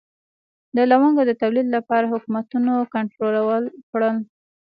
د لونګو د تولید لپاره حکومتونه کنټرول کړل.